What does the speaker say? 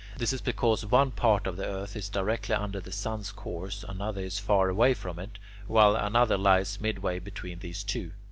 This is because one part of the earth is directly under the sun's course, another is far away from it, while another lies midway between these two.